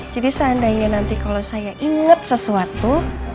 jadi seandainya nanti kalau saya inget sesuatu